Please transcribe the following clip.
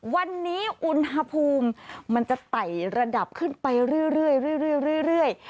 วันนี้อุณหภูมิมันจะไต่ระดับขึ้นไปเรื่อย